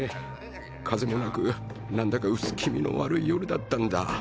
風もなく何だか薄気味の悪い夜だったんだ